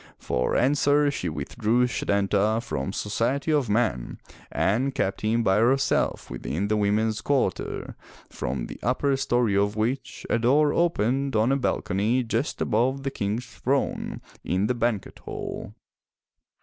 For answer she withdrew Setanta from society of men and kept him by herself within the women's quarter, from the upper story of which a door opened on a balcony just above the King's throne in the banquet hall.